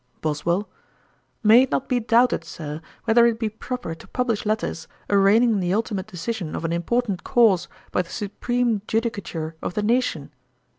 BOSWELL. 'May it not be doubted, Sir, whether it be proper to publish letters, arraigning the ultimate decision of an important cause by the supreme judicature of the nation?'